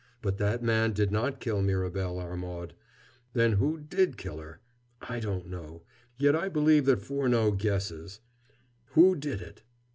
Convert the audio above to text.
"But that man did not kill Mirabel Armaud. Then who did kill her? I don't know, yet I believe that Furneaux guesses. Who did it?